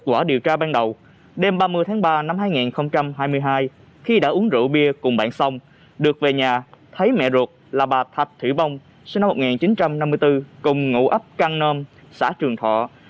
quả điều tra ban đầu đêm ba mươi tháng ba năm hai nghìn hai mươi hai khi đã uống rượu bia cùng bạn xong được về nhà thấy mẹ ruột là bà thạch thị bông sinh năm một nghìn chín trăm năm mươi bốn cùng ngụ ấp căng nơm xã trường thọ